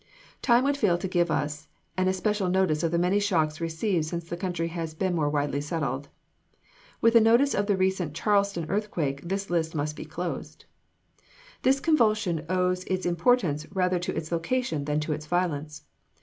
Time would fail us to give an especial notice of the many shocks received since the country has been more widely settled. With a notice of the recent Charleston earthquake this list must be closed. This convulsion owes its importance rather to its location than to its violence.